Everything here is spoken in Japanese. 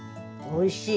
おいしい。